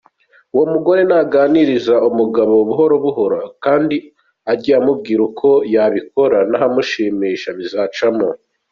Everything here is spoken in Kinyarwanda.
Uwo umugore rero naganirize umugabo buhoro buhoro, kandi ajye amubwira uko yabikora nahamushimisha, bizacamo.